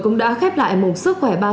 cũng đã khép lại mục sức khỏe